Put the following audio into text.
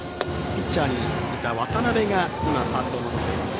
ピッチャーだった渡辺がファーストを守っています。